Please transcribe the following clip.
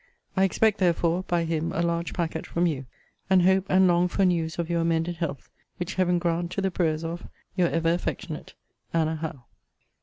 I expect therefore, by him a large packet from you; and hope and long for news of your amended health: which Heaven grant to the prayers of Your ever affectionate ANNA HOWE.